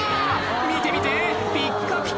見て見てピッカピカ」